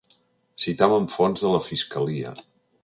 Citaven fonts de la fiscalia.